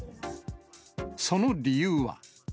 その理由は。